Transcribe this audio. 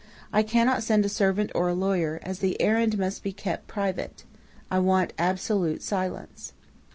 I cannot send a servant or a lawyer, as the errand must be kept private. I want absolute silence.